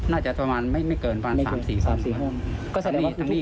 น่าจะประมาณไม่เกิน๓๔ห้อง